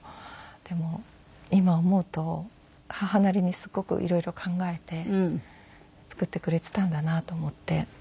でも今思うと母なりにすごく色々考えて作ってくれていたんだなと思って。